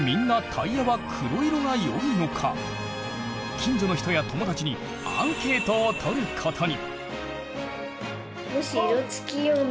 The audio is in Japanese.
近所の人や友達にアンケートをとることに。